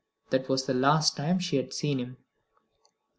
That was the last time she had seen him.